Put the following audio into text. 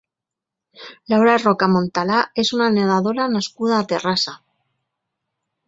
Laura Roca Montalà és una nedadora nascuda a Terrassa.